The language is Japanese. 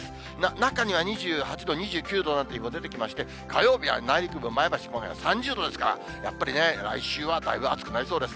中には２８度、２９度なんていう日も出てきまして、火曜日は内陸部、前橋のほうは３０度ですから、やっぱりね、来週はだいぶ暑くなりそうです。